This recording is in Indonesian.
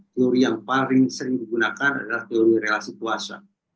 teori yang paling sering digunakan adalah teori relasi puasa